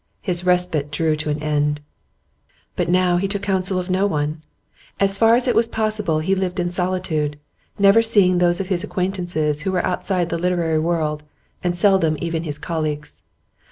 His respite drew to an end. But now he took counsel of no one; as far as it was possible he lived in solitude, never seeing those of his acquaintances who were outside the literary world, and seldom even his colleagues.